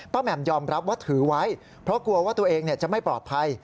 แหม่มยอมรับว่าถือไว้เพราะกลัวว่าตัวเองจะไม่ปลอดภัย